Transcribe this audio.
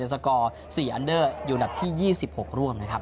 สกอร์๔อันเดอร์อยู่อันดับที่๒๖ร่วมนะครับ